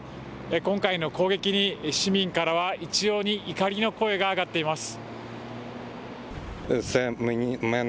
今回の攻撃に市民からは一様に怒りの声が上がっています。